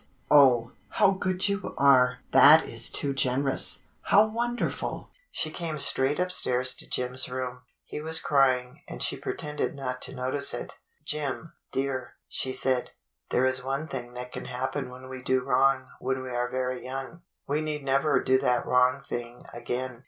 Oh, how good you are! That is too generous! How wonderful!" She came straight upstairs to Jim's room. He was crying, and she pretended not to notice it. "Jim, dear," she said, "there is one thing that can happen when we do wrong when we are very young. We need never do that wrong thing again.